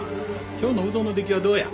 今日のうどんの出来はどうや？